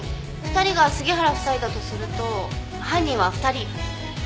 ２人が杉原夫妻だとすると犯人は２人。